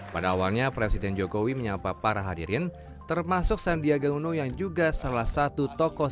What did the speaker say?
pada awalnya presiden jokowi menyapa para hadirin termasuk sandiaga uno yang juga salah satu tokoh